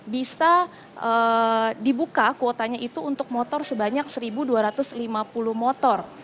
bisa dibuka kuotanya itu untuk motor sebanyak satu dua ratus lima puluh motor